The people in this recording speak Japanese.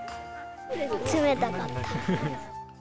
冷たかった。